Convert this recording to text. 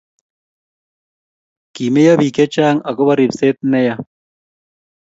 kimeyo biik chechang' akobo ribset ne yaa